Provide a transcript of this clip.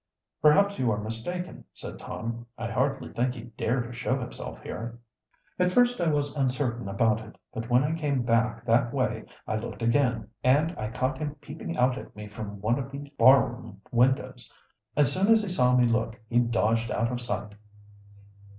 "Perhaps you are mistaken," said Tom. "I hardly think he'd dare to show himself here." "At first I was uncertain about it. But when I came back that way I looked again, and I caught him peeping out at me from one of the bar room windows. As soon as he saw me look he dodged out of sight."